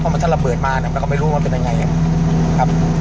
เขามาท่าระเบิดมานะครับแล้วก็ไม่รู้ว่าเป็นยังไงครับครับ